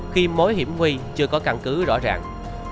khi mối hiểm nguy chưa có căn cứ rõ ràng